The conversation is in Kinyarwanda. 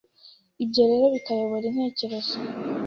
ibyo rero bikayobora intekerezo”